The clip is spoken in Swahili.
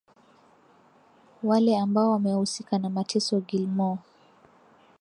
wale ambao wamehusika na mateso Gilmore